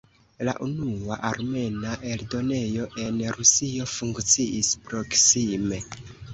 La unua armena eldonejo en Rusio funkciis proksime.